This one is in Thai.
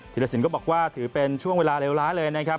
ธีรดิยศีลก็บอกว่าถือเป็นช่วงเวลาเร็วล้ายเลยนะครับ